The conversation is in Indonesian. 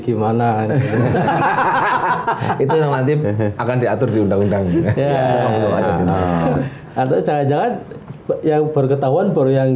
gimana itu yang nanti akan diatur di undang undang ya atau jangan jangan yang berketahuan baru yang